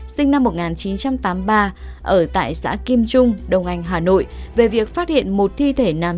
sinh năm một nghìn chín trăm tám mươi ba ở tại xã kim trung đông anh hà nội về việc phát hiện một thi thể nam